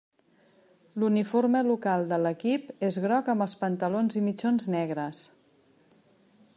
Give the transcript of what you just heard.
L'uniforme local de l'equip és groc amb els pantalons i mitjons negres.